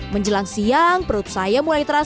menjelang siang perut saya mulai terasa